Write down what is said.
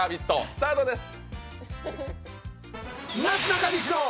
スタートです。